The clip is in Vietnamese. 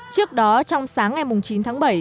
trước đó trong sáng ngày chín tháng bảy